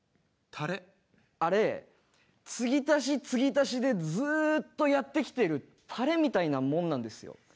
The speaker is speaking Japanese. あれつぎ足しつぎ足しでずーっとやってきてるタレみたいなもんなんですよ。